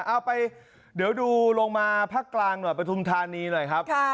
เอาไปเดี๋ยวดูลงมาภาคกลางหน่อยปฐุมธานีหน่อยครับ